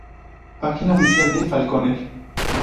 Página oficial de Falconer